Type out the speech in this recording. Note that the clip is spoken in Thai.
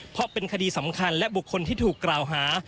เพราะเป็นคดีสำคัญและบุคคลที่ถูกกล่าวหา